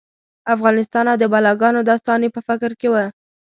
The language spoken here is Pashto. افغانستان او د بلاګانو داستان یې په فکر کې و.